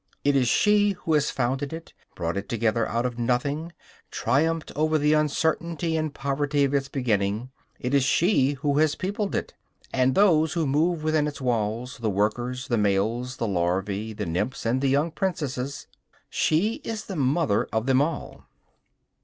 It is she who has founded it, brought it together out of nothing, triumphed over the uncertainty and poverty of its beginning; it is she who has peopled it; and those who move within its walls the workers, the males, the larvæ, the nymphs and young princesses she is the mother of them all.